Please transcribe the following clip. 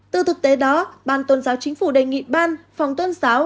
từ thực tế đó ban tôn giáo chính phủ đề nghị ban phòng tôn giáo